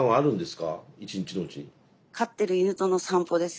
飼ってる犬との散歩です。